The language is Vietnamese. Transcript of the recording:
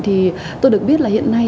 thì tôi được biết là hiện nay